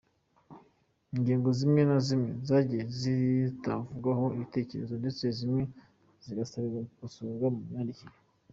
Ingingo zimwe na zimwe zagiye zitangwaho ibitekerezo, ndetse zimwe zigasabirwa gukosorwa mu myandikire.